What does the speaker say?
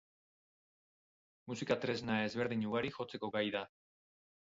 Musika-tresna ezberdin ugari jotzeko gai da.